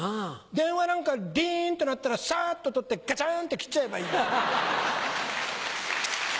電話なんかリンと鳴ったらサっと取ってガチャンって切っちゃえばいいのよ。